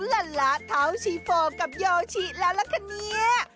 ละละเท้าชีโฟกับโยชิแล้วล่ะคะเนี่ย